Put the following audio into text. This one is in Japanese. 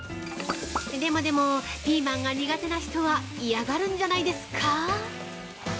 でもでもピーマンが苦手な人は嫌がるんじゃないですか？